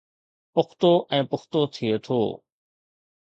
پختو ۽ پختو ٿئي ٿو